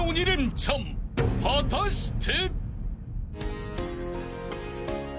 ［果たして］